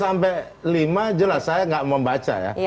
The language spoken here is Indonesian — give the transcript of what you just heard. dari poin satu sampai lima jelas saya tidak membaca ya